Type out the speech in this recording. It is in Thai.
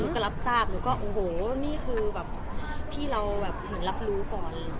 ก็รับทราบหนูก็โอ้โหนี่คือพี่เรากำลังอยู่ก่อน